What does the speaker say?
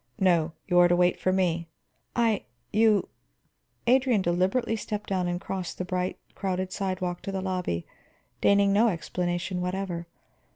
"No; you are to wait for me." "I you " Adrian deliberately stepped down and crossed the bright, crowded sidewalk into the lobby, deigning no explanation whatever.